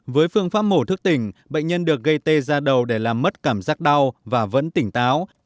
với phương pháp mổ thức tỉnh bệnh nhân được gây tê ra đầu để làm mất cảm giác đau và vẫn tỉnh táo